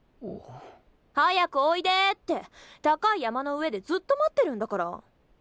早くおいでって高い山の上でずっと待ってるんだから。